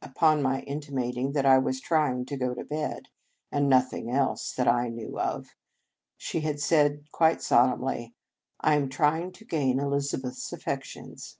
Upon my intimating that I was trying to go to bed, and nothing else that I knew of, she had said quite solemnly: " I am trying to gain Elizabeth s af fections."